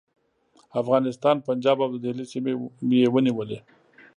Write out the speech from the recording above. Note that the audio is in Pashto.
افغانستان، پنجاب او د دهلي سیمې یې ونیولې.